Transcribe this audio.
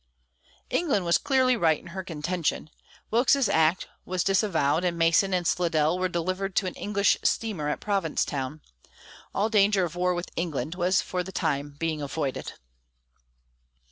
England was clearly in the right in her contention; Wilkes's act was disavowed, and Mason and Slidell were delivered to an English steamer at Provincetown. All danger of war with England was for the time being avoided.